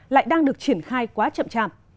lại đang được triển khai quá chậm chạm